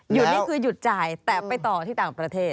นี่คือหยุดจ่ายแต่ไปต่อที่ต่างประเทศ